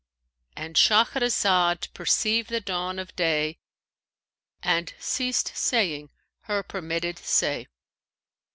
'"—And Shahrazad perceived the dawn of day and ceased saying her permitted say.